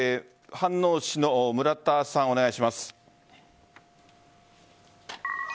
飯能市の村田さん、お願いします。